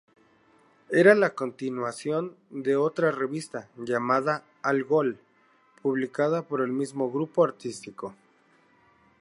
Era la continuación de otra revista llamada "Algol" publicada por el mismo grupo artístico.